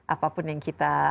apapun yang kita